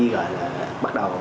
gọi là bắt đầu